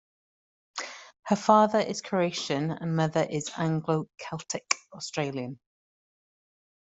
Her father is Croatian and mother is Anglo Celtic Australian.